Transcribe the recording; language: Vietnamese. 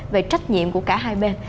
về trách nhiệm của cả hai bên